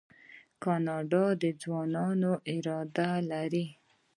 کاناډا د ځوانانو اداره لري.